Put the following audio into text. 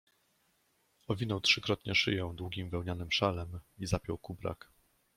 Owinął trzykrotnie szyję długim wełnianym szalem i zapiął kubrak.